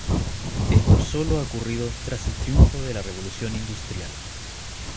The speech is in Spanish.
Esto sólo ha ocurrido tras el triunfo de la revolución industrial.